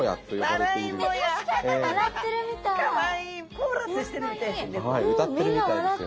コーラスしてるみたいですね。